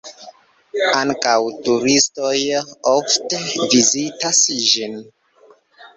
Ankaŭ turistoj ofte vizitas ĝin.